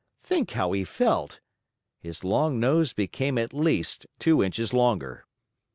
Think how he felt! His long nose became at least two inches longer.